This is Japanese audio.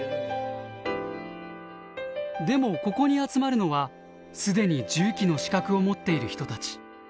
でもここに集まるのは既に重機の資格を持っている人たち。